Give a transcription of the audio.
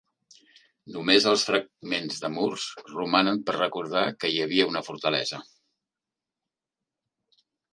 Només els fragments de murs romanen per recordar que hi havia una fortalesa.